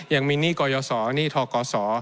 ยังมีหนี้กรยศรหนี้ธกรศร